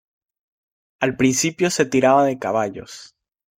Al principio se tiraba de caballos.